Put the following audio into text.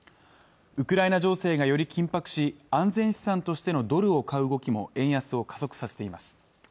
ウクライナ情勢がより緊迫し安全資産としてのドルを買う動きも円安を加速させています